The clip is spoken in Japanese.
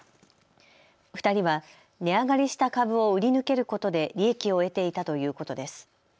２人は値上がりした株を売り抜けることで利益を得ていたということです。